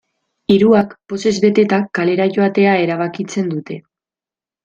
Hiruak, pozez beteta kalera joatea erabakitzen dute.